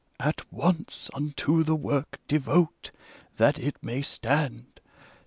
At once unto the work devote, that it may stand.